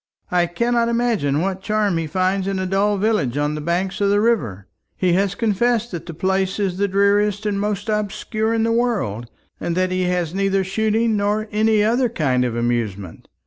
"I cannot imagine what charm he finds in a dull village on the banks of the river. He has confessed that the place is the dreariest and most obscure in the world, and that he has neither shooting nor any other kind of amusement.